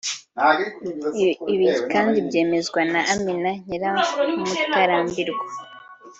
Ibi kandi byemezwa na Amina Nyiramutarambirwa